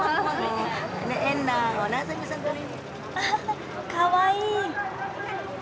あっかわいい！